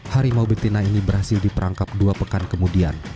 harimau betina ini berhasil diperangkap dua pekan kemudian